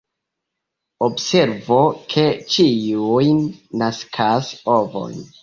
Observu ke ĉiuj naskas ovojn.